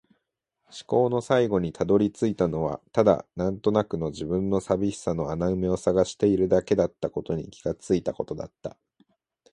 思考の最後に辿り着いたのはただ、なんとなくの自分の寂しさの穴埋めを探しているだけだったことに気がついたことだった。